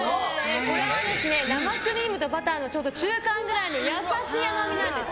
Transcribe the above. これは生クリームとバターのちょうど中間ぐらいの優しい甘みなんです。